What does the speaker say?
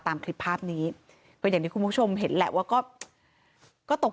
ตามคลิปภาพนี้ก็อย่างที่คุณผู้ชมเห็นแหละว่าก็ก็ตก